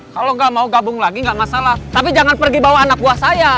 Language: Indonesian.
kalau nggak mau gabung lagi nggak masalah tapi jangan pergi bawa anak buah saya